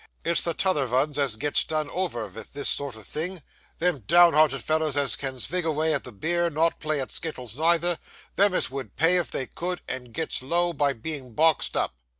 It's the t'other vuns as gets done over vith this sort o' thing; them down hearted fellers as can't svig avay at the beer, nor play at skittles neither; them as vould pay if they could, and gets low by being boxed up.